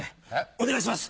お願いします